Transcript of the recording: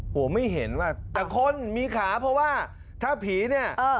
หัวไม่เต่าคนมีขาเพราะว่าถ้าผีเนี้ยเออ